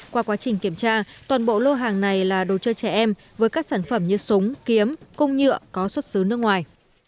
qua quá trình kiểm tra toàn bộ lô hàng này là đồ chơi trẻ em với các sản phẩm như súng kiếm cung nhựa có xuất xứ nước ngoài